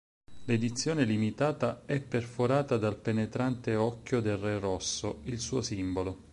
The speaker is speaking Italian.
L'edizione limitata è "perforata" dal penetrante occhio del Re Rosso, il suo simbolo.